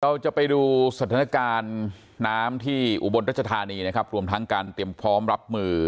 เราจะไปดูสถานการณ์น้ำที่อุบลรัชธานีนะครับรวมทั้งการเตรียมพร้อมรับมือ